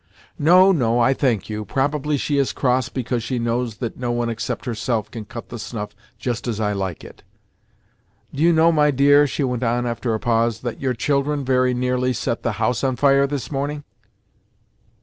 "No, no, I thank you. Probably she is cross because she knows that no one except herself can cut the snuff just as I like it. Do you know, my dear," she went on after a pause, "that your children very nearly set the house on fire this morning?"